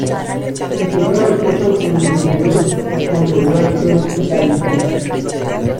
En su nuevo equipo coincidió con Roberto Laiseka.